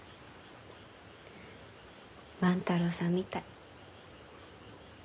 万太郎さんみたい。